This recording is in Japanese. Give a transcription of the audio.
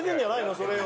それを。